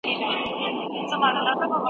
يوازي ژور ليد کافي نه دی.